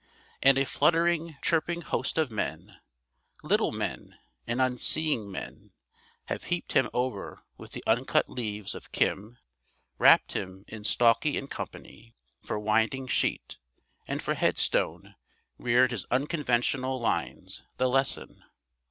And a fluttering, chirping host of men, little men and unseeing men, have heaped him over with the uncut leaves of Kim, wrapped him in Stalky & Co., for winding sheet, and for headstone reared his unconventional lines, The Lesson.